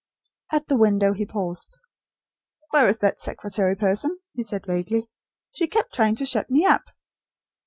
At the window he paused. "Where is that secretary person?" he said, vaguely. "She kept trying to shut me up."